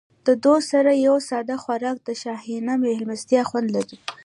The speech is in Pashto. له دوست سره یو ساده خوراک د شاهانه مېلمستیا خوند لري.